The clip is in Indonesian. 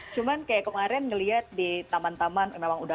cuman kayak kemarin ngeliat di taman taman memang udah